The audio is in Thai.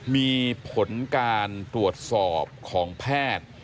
มีผลการตรวจสอบของแพทย์